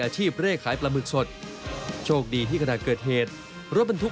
ที่ขณะเกิดเหตุรถบรรทุก